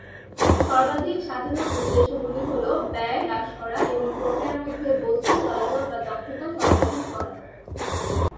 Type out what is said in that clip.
সর্বাধিক সাধারণ উদ্দেশ্যগুলি হল ব্যয় হ্রাস করা এবং প্রক্রিয়ার মধ্যে বস্তু চলাচল বা দক্ষতা সর্বাধিক করা।